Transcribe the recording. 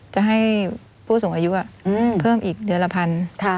จะให้ผู้สูงอายุเพิ่มอีกเดือนละพัน